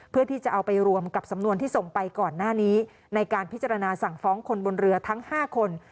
เพื่อที่จะเอาไปรวมกับสำนวนที่ส่งไปก่อนหน้านี้ในการพิจารณาสั่งฟ้องคนบนเรือทั้ง๕คน